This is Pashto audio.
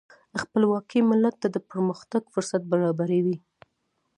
خپلواکي ملت ته د پرمختګ فرصت برابروي.